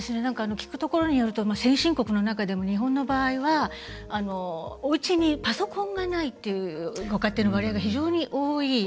聞くところによると先進国の中でも日本の場合はおうちにパソコンがないというご家庭の割合が、非常に多い。